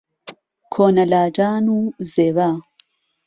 کۆنە لاجان و زێوە